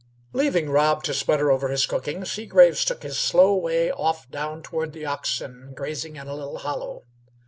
Leaving Rob to sputter over his cooking, Seagraves took his slow way off down toward the oxen grazing in a little hollow.